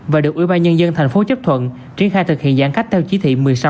và được ủy ban nhân dân tp hcm triển khai thực hiện giãn cách theo chỉ thị một mươi sáu